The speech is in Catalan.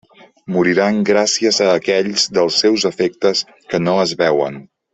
Moriran gràcies a aquells dels seus efectes que no es veuen.